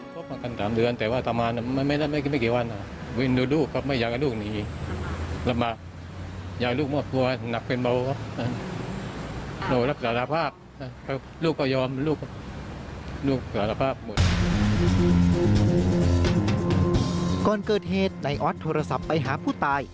ก่อนเกิดเหตุนายออสโทรศัพท์ไปหาผู้ตาย